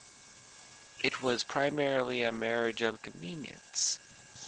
It was primarily a marriage of convenience.